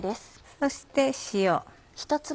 そして塩。